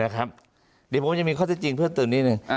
ครับผมจะมีข้อจริงเพื่อจะเจอนิดนึง